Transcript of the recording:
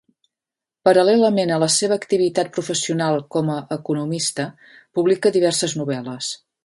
Paral·lelament a la seva activitat professional com a economista, publica diverses novel·les.